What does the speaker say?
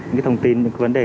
những thông tin những vấn đề